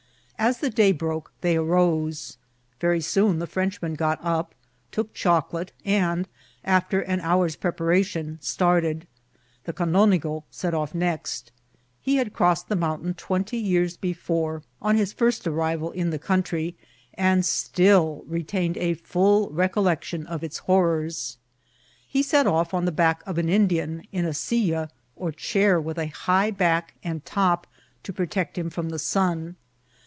As the day broke they arose. Very soon the Frenchman got up, took chocolate, and, after an hour's preparation, started. The canonigo set off next. He had crossed the mountain twenty years before, on his first arrival in the country, and still retained a full recollection of its horrors. He set off on the back of an Indian, in a tiUay or chair with a high back and top to protect him from the sun.